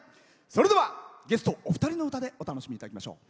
それでは、ゲストお二人の歌でお楽しみいただきましょう。